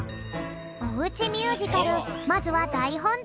おうちミュージカルまずはだいほん